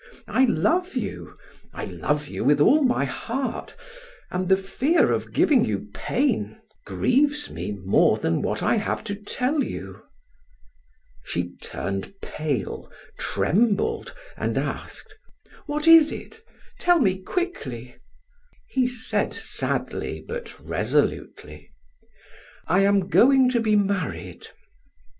I love you; I love you with all my heart, and the fear of giving you pain grieves me more than what I have to tell you." She turned pale, trembled, and asked: "What is it? Tell me quickly." He said sadly but resolutely: "I am going to be married."